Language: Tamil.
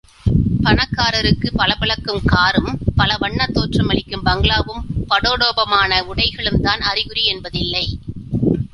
பணக்காரருக்குப் பளபளக்கும் காரும், பல வண்ணத் தோற்றம் அளிக்கும் பங்களாவும், படோடோபமான உடைகளும் தான் அறிகுறி என்பதில்லை.